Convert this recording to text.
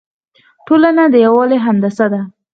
ټولنه د یووالي هندسه ده.